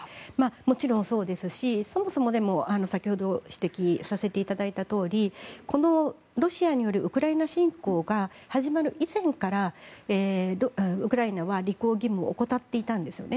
もちろんそうですしそもそも、でも先ほど指摘させていただいたとおりこのロシアによるウクライナ侵攻が始まる以前からウクライナは履行義務を怠っていたんですね。